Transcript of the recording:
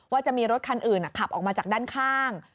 ว่าจะมีรถคันอื่นขับออกมาจากด้านข้าง